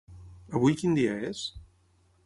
Avui quin dia és?